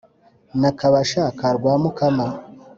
na kabasha ka rwamukama